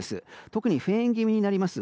特にフェーン気味になります